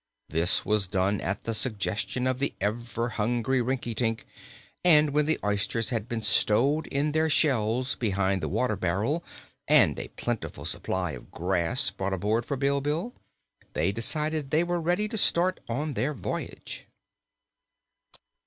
This was done at the suggestion of the ever hungry Rinkitink, and when the oysters had been stowed in their shells behind the water barrel and a plentiful supply of grass brought aboard for Bilbil, they decided they were ready to start on their voyage.